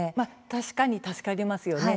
確かに助かりますよね。